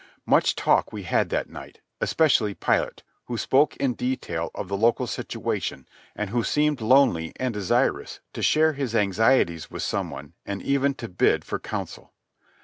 Much talk we had that night, especially Pilate, who spoke in detail of the local situation, and who seemed lonely and desirous to share his anxieties with some one and even to bid for counsel.